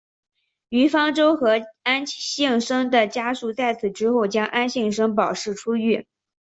于方舟和安幸生的家属在此之后将安幸生保释出狱。